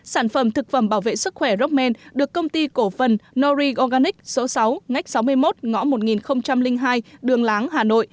sản phẩm thực phẩm bảo vệ sức khỏe rockman được công ty cổ phần nori organic số sáu ngách sáu mươi một ngõ một nghìn hai đường láng hà nội